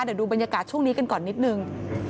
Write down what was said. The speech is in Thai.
เดี๋ยวดูบรรยากาศช่วงนี้กันก่อนนิดนึง